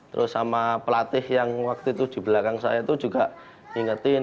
terus sama pelatih yang waktu itu di belakang saya itu juga ngingetin